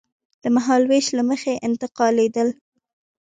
د مهالوېش له مخې انتقالېدل.